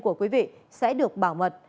của quý vị sẽ được bảo mật